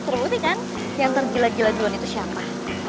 terbukti kan yang tergila gila duluan itu siapa